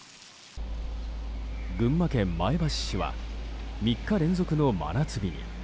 群馬県前橋市は３日連続の真夏日に。